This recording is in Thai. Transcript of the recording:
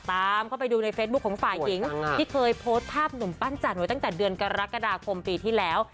ตามเข้าไปดูในเฟซบุ๊คของฝ่ายหญิงที่เคยโพสต์ภาพหนุ่มปั้นจันไว้ตั้งแต่เดือนกรกฎาคมปีที่แล้ว